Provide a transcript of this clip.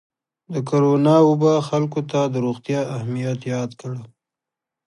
د کرونا وبا خلکو ته د روغتیا اهمیت یاد کړ.